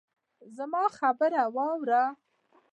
زما خبره واورئ